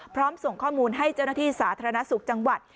ส่งข้อมูลให้เจ้าหน้าที่สาธารณสุขจังหวัด